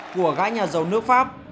của gãi nhà giàu nước pháp